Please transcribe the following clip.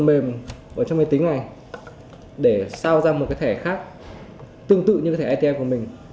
để sao ra một cái thẻ khác tương tự như thẻ atm của mình